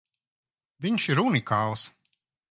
Viņš ir unikāls!